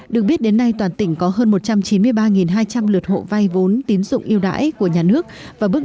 được biết đến nay toàn tỉnh có hơn một trăm chín mươi ba hai trăm linh lượt hộ vay vốn tín dụng yêu đãi của nhà nước và bước